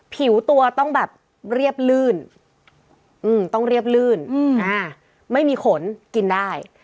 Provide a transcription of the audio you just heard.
ผิวตัวต้องแบบเรียบลื่นต้องเรียบลื่นไม่มีขนกินได้